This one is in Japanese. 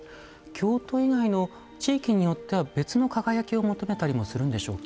京都以外の地域によっては別の輝きを求めたりもするんでしょうか？